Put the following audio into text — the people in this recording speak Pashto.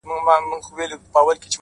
يو چا تضاده کړم؛ خو تا بيا متضاده کړمه؛